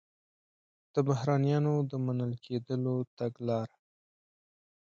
د بهرنیانو د منل کېدلو تګلاره